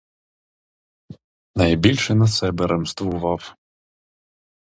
Найбільше на себе ремствував.